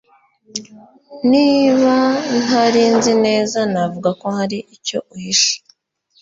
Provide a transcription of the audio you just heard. Niba ntari nzi neza, navuga ko hari icyo uhishe.